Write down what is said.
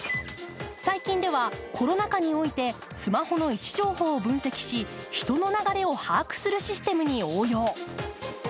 最近では、コロナ禍においてスマホの位置情報を分析し人の流れを把握するシステムに応用。